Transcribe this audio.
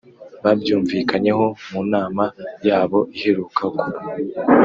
babyumvikanyeho mu nama yabo iheruka kuba